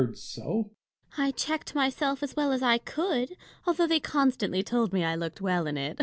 I checked myself as well as I could, although they constantly told me I looked well in it.